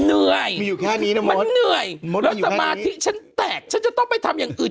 เหนื่อยมันเหนื่อยแล้วสมาธิฉันแตกฉันจะต้องไปทำอย่างอื่น